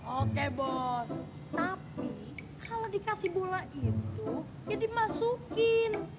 oke bos tapi kalau dikasih bola itu ya dimasukin